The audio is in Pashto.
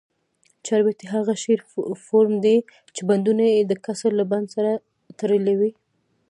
چاربیتې هغه شعري فورم دي، چي بندونه ئې دکسر له بند سره تړلي وي.